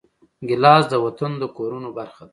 ګیلاس د وطن د کورونو برخه ده.